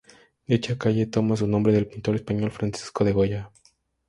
Dicha calle toma su nombre del pintor español Francisco de Goya.